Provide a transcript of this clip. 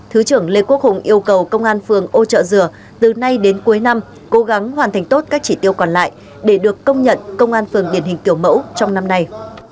thứ trưởng lê quốc hùng yêu cầu công an phường ô trợ dừa từ nay đến cuối năm cố gắng hoàn thành tốt các chỉ tiêu còn lại để được công nhận công an phường điển hình kiểu mẫu trong năm nay